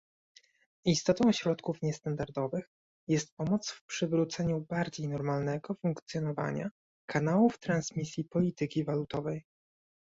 Istotą środków niestandardowych jest pomoc w przywróceniu bardziej normalnego funkcjonowania kanałów transmisji polityki walutowej